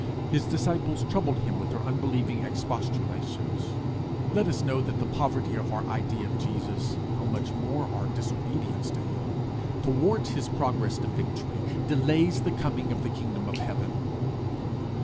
His disciples troubled him with their unbelieving expostulations. Let us know that the poverty of our idea of Jesus how much more our disobedience to him! thwarts his progress to victory, delays the coming of the kingdom of heaven.